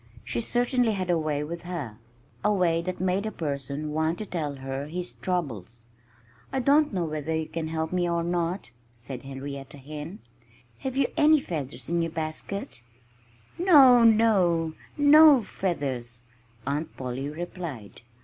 She certainly had a way with her a way that made a person want to tell her his troubles. "I don't know whether you can help me or not," said Henrietta Hen. "Have you any feathers in your basket?" "No no! No feathers!" Aunt Polly replied.